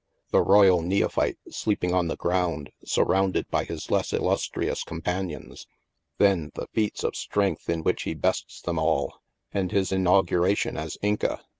The royal neophyte sleeping on the ground surrounded by his less illustrious companions ; then the feats of strength in which he bests them all, and his inauguration as Inca.